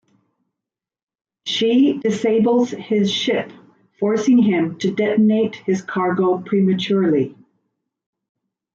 She disables his ship, forcing him to detonate his cargo prematurely.